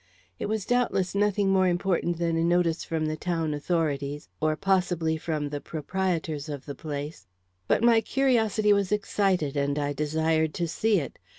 It was doubtless nothing more important than a notice from the town authorities, or possibly from the proprietors of the place, but my curiosity was excited, and I desired to see it.